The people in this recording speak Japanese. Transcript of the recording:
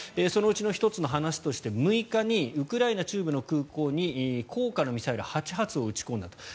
そのうちの１つの話として６日にウクライナ中部の空港に高価なミサイル８発を撃ち込んだと。